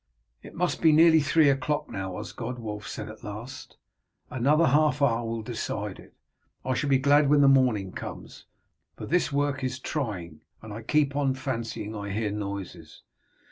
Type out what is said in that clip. "It must be nearly three o'clock now, Osgod," Wulf said at last. "Another half hour will decide it. I shall be glad when the morning comes, for this work is trying, and I keep on fancying I hear noises."